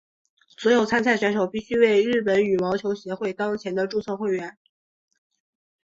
所有参赛选手必须为日本羽毛球协会当前的注册会员。